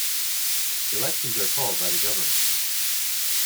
Elections are called by the government.